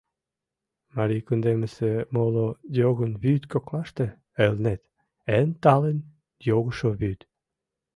Марий кундемысе моло йогын вӱд коклаште Элнет — эн талын йогышо вӱд.